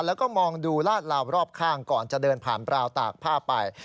แล้วก็มองดูลาดลาวรอบข้างก่อนจะเดินผ่านราวตากผ้าไป